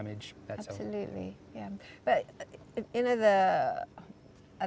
terjebak terluka terbahak